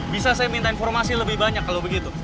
bisa saya minta informasi lebih banyak kalau begitu